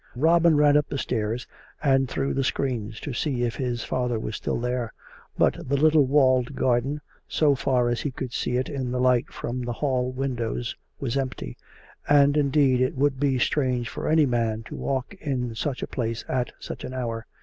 39 Robin ran up the steps and through the screens to see if his father was still there; but the little walled garden, so far as he could see it in the light from the hall windows, was empty ; and, indeed, it would be strange for any man to walk in such a place at such an hour.